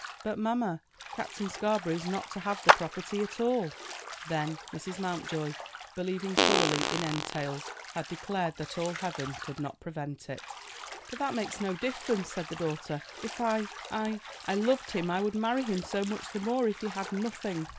"But, mamma, Captain Scarborough is not to have the property at all." Then Mrs. Mountjoy, believing thoroughly in entails, had declared that all Heaven could not prevent it. "But that makes no difference," said the daughter; "if I I I loved him I would marry him so much the more, if he had nothing."